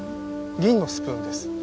銀のスプーンです。